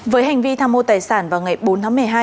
với hành vi tham mô tài sản vào ngày bốn tháng một mươi hai